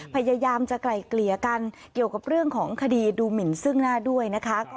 พยายามจะไกลเกลี่ยกันเกี่ยวกับเรื่องของคดีดูหมินซึ่งหน้าด้วยนะคะ